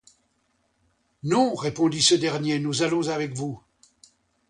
Non, répondit ce dernier, nous allons avec vous.